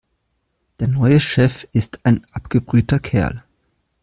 Der neue Chef ist ein abgebrühter Kerl.